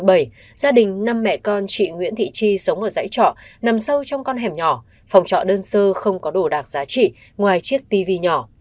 gia đình năm mẹ con chị nguyễn thị chi sống ở dãy trọ nằm sâu trong con hẻm nhỏ phòng trọ đơn sơ không có đồ đạc giá trị ngoài chiếc tv nhỏ